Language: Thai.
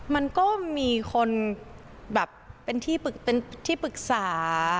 มันก็มีคนแบบเป็นที่ปรึกษา